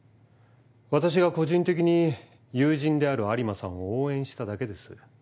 私が個人的に友人である有馬さんを応援しただけです。